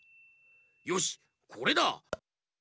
よしこれだ！